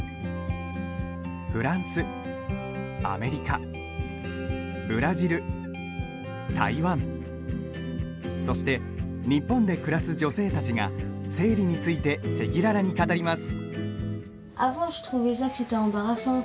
フランス、アメリカ、ブラジル台湾、そして日本で暮らす女性たちが、生理について赤裸々に語ります。